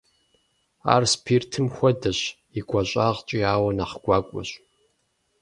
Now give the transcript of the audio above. Ар спиртым хуэдэщ и гуащӀагъкӀэ, ауэ нэхъ гуакӀуэщ.